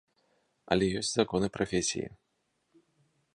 Але ёсць законы прафесіі.